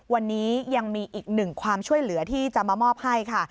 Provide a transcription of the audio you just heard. วันนี้ยังมีอีกหนึ่งความช่วยเหลือที่จะมามอบให้ค่ะ